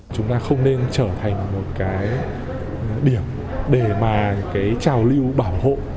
chúng ta không nên trở thành một cái điểm để mà cái trào lưu bảo hộ